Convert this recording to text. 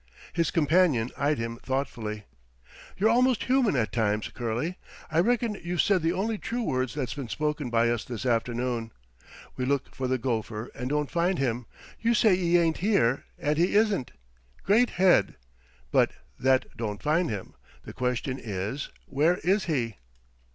His companion eyed him thoughtfully. "You're almost human at times, Curley. I reckon you've said the only true words that's been spoke by us this afternoon. We look for the gopher and don't find him. You say he ain't here, and he isn't. Great head! But that don't find him. The question is, where is he?"